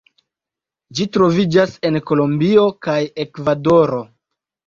Ĝi troviĝas en Kolombio kaj Ekvadoro.